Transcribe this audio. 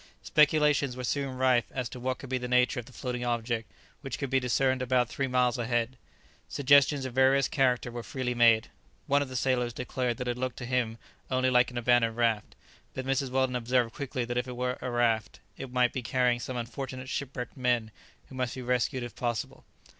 Speculations were soon rife as to what could be the nature of the floating object which could be discerned about three miles ahead. Suggestions of various character were freely made. One of the sailors declared that it looked to him only like an abandoned raft, but Mrs. Weldon observed quickly that if it were a raft it might be carrying some unfortunate shipwrecked men who must be rescued if possible.